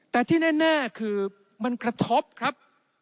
แต่ที่แน่คือมันกระทบครับ